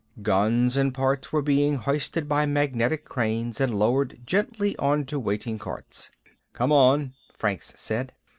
Guns and parts were being hoisted by magnetic cranes and lowered gently onto waiting carts. "Come on," Franks said.